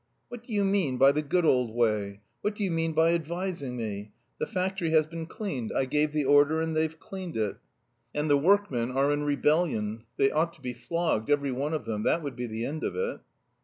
"What do you mean by the good old way? What do you mean by advising me? The factory has been cleaned; I gave the order and they've cleaned it." "And the workmen are in rebellion. They ought to be flogged, every one of them; that would be the end of it."